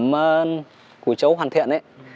vỏ chấu hoàn thiện ấy